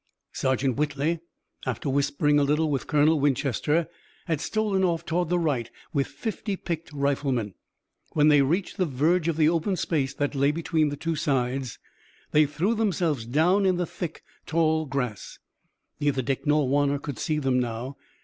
Sergeant Whitley, after whispering a little with Colonel Winchester, had stolen off toward the right with fifty picked riflemen. When they reached the verge of the open space that lay between the two sides they threw themselves down in the thick, tall grass. Neither Dick nor Warner could see them now.